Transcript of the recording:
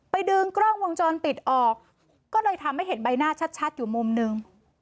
ดึงกล้องวงจรปิดออกก็เลยทำให้เห็นใบหน้าชัดอยู่มุมหนึ่ง